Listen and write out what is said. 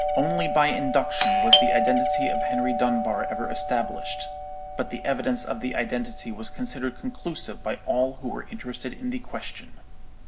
Only by induction was the identity of Henry Dunbar ever established: but the evidence of the identity was considered conclusive by all who were interested in the question.